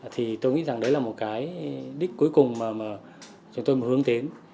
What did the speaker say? thì tôi nghĩ rằng đấy là một cái đích cuối cùng mà chúng tôi muốn hướng đến